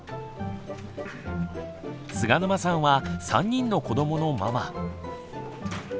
菅沼さんは３人の子どものママ。